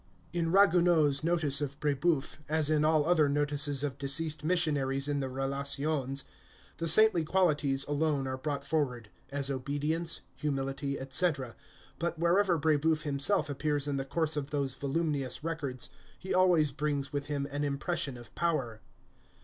In Ragueneau's notice of Brébeuf, as in all other notices of deceased missionaries in the Relations, the saintly qualities alone are brought forward, as obedience, humility, etc.; but wherever Brébeuf himself appears in the course of those voluminous records, he always brings with him an impression of power.